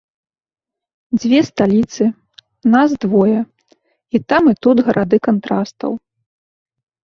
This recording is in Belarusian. Дзве сталіцы, нас двое, і там і тут гарады кантрастаў.